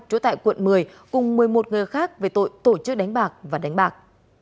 chủ tại quận một mươi cùng một mươi một người khác về tội tổ chức đánh bạc và đánh bạc